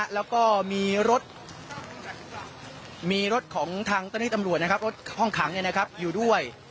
แล้วก็มีรถมีรถของทางตะนี้ตำรวจนะครับรถห้องขังนี้นะครับอยู่ด้วย